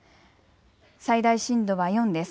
最大震度は４です。